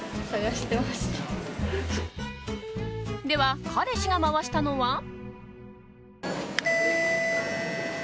では、彼氏が回したのは？